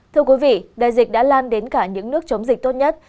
thưa quý vị đại dịch đã lan đến cả những nước chống dịch tốt nhất